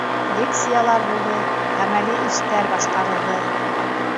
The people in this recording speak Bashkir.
Лекциялар булды, ғәмәли эштәр башҡарылды.